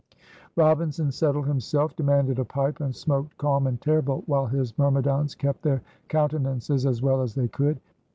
Robinson settled himself, demanded a pipe, and smoked calm and terrible, while his myrmidons kept their countenances as well as they could.